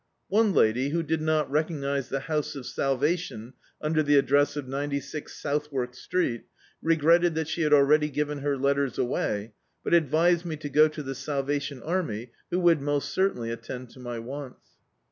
One lady, who did not recognise the house of Salvation under the address of 96 South wark Street, regretted that she had already given her letters away, but advised me to go to the Salvation Army, who would most certainly attend to my wants.